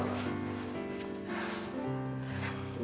agak merasa bersalah